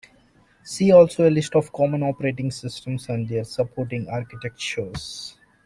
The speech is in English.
See also a list of common operating systems and their supporting architectures.